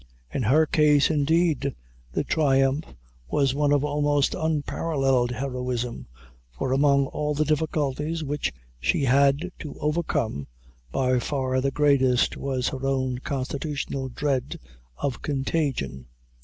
In her case, indeed, the triumph was one of almost unparalleled heroism; for among all the difficulties which she had to overcome, by far the greatest was her own constitutional dread of contagion.